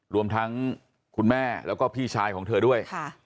รวมทั้งคุณแม่แล้วก็พี่ชายของเธอด้วย